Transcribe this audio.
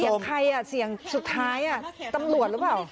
ใครอ่ะเสียงสุดท้ายตำรวจหรือเปล่า